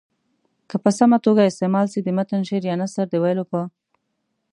که په سمه توګه استعمال سي د متن شعر یا نثر د ویلو په